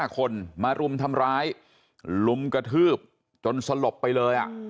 ๕คนมารุมทำร้ายลุมกระทืบจนสลบไปเลย